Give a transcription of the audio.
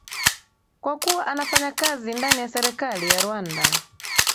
Kwa kuwa anafanya kazi ndani ya serikali ya Rwanda